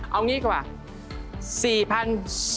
เอางี้ก่อน